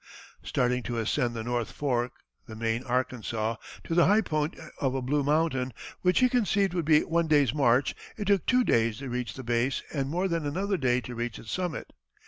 Starting to ascend the north fork (the main Arkansas) to the high point of a blue mountain, which he conceived would be one day's march, it took two days to reach the base and more than another day to reach its summit.